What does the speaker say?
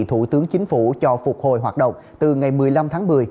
thủ tướng chính phủ cho phục hồi hoạt động từ ngày một mươi năm tháng một mươi